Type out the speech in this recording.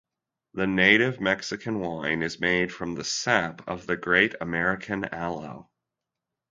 The native Mexican wine is made from the sap of the great American aloe.